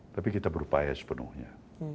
tapi kita berupaya sepenuhnya